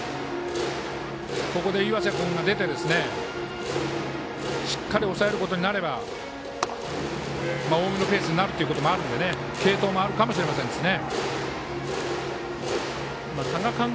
ここで岩佐君が出てしっかり抑えることになれば近江のペースになるということもあるので継投もあるかと思いますね。